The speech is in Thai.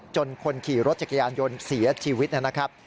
คนขี่รถจักรยานยนต์เสียชีวิตนะครับ